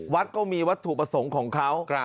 วัดก็มีวัดถูปสงของเขา